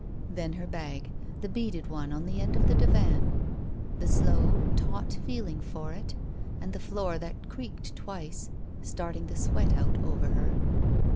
Then her bag, the beaded one on the end of the divan. The slow, taut feeling for it and the floor that creaked twice, starting the sweat out over her.